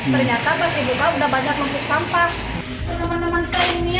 ternyata pas dibuka udah banyak numpuk sampah